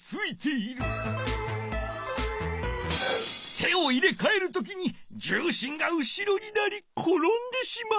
手をいれかえるときにじゅうしんが後ろになりころんでしまう。